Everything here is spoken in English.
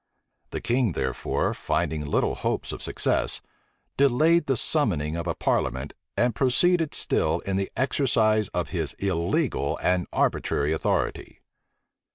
The king, therefore finding little hopes of success, delayed the summoning of a parliament, and proceeded still in the exercise of his illegal and arbitrary authority.